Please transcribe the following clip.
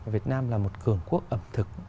việt nam là một cường quốc ẩm thực